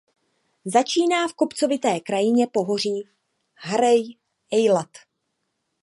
Začíná v kopcovité krajině pohoří Harej Ejlat.